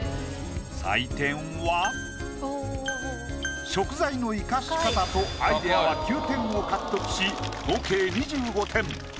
採点は食材の生かし方とアイディアは９点を獲得し合計２５点。